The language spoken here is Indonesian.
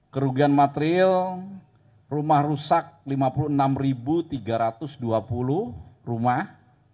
kerugian material rumah rusak lima puluh enam tiga ratus dua puluh rumah